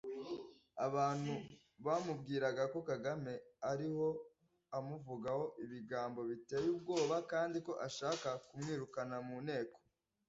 Abantu bamubwiraga ko Kagame ariho amuvugaho ibigambo biteye ubwoba kandi ko ashaka kumwirukana mu nteko